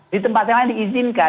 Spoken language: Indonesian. di tempat lain diizinkan